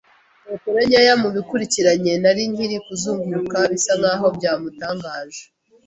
metero nkeya mubikurikiranye nari nkiri kuzunguruka, bisa nkaho byamutangaje